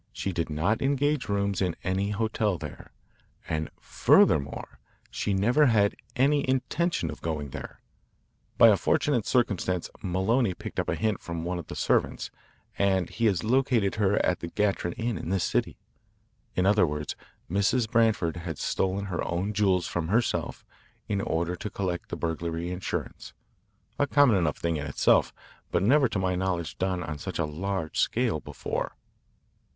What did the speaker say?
She did not engage rooms in any hotel there. And furthermore she never had any intention of going there. By a fortunate circumstance Maloney picked up a hint from one of the servants, and he has located her at the Grattan Inn in this city. In other words, Mrs. Branford has stolen her own jewels from herself in order to collect the burglary insurance a common enough thing in itself, but never to my knowledge done on such a large scale before."